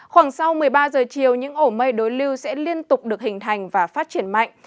khoảng sau một mươi ba giờ chiều những ổ mây đối lưu sẽ liên tục được hình thành và phát triển mạnh